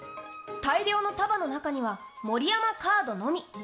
大量の束の中には「盛山」カードのみ。